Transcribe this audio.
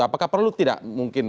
apakah perlu tidak mungkin